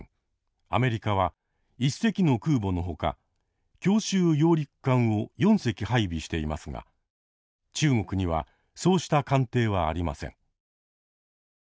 アメリカは１隻の空母のほか強襲揚陸艦を４隻配備していますが中国にはそうした艦艇はありません。